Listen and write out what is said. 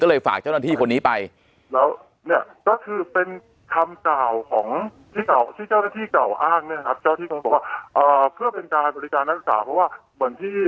ก็เลยฝากเจ้าหน้าที่คนนี้ไปแล้วเนี้ยก็คือเป็นคำกล่าวของที่เจ้า